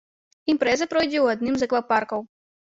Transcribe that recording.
Імпрэза пройдзе ў адным з аквапаркаў.